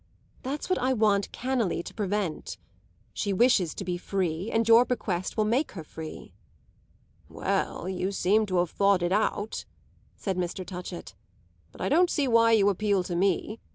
That's what I want cannily to prevent. She wishes to be free, and your bequest will make her free." "Well, you seem to have thought it out," said Mr. Touchett. "But I don't see why you appeal to me.